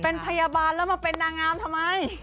เป็นพยาบาลแล้วมาเป็นนางงามทำไม